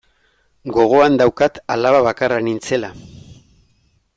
Gogoan daukat alaba bakarra nintzela.